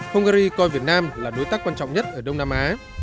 hungary coi việt nam là đối tác quan trọng nhất ở đông nam á